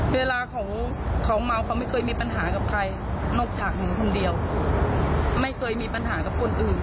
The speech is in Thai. เวลาเขาเมาเขาไม่เคยมีปัญหากับใครนอกจากหนูคนเดียวไม่เคยมีปัญหากับคนอื่น